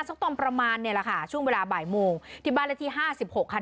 สักตอนประมาณเนี่ยแหละค่ะช่วงเวลาบ่ายโมงที่บ้านเลขที่ห้าสิบหกค่ะ